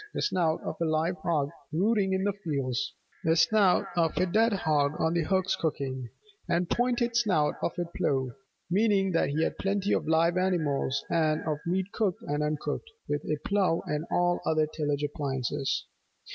the snout of a live hog rooting in the fields; the snout of a dead hog on the hooks cooking; and the pointed snout of a plough: meaning that he had plenty of live animals and of meat cooked and uncooked, with a plough and all other tillage appliances.